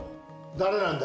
誰なんだ